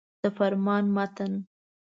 د فرمان متن.